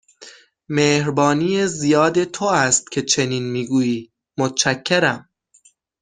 مهربانی زیاد تو است که چنین می گویی، متشکرم.